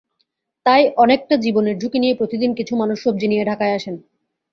তাই অনেকটা জীবনের ঝুঁকি নিয়ে প্রতিদিন কিছু মানুষ সবজি নিয়ে ঢাকায় আসেন।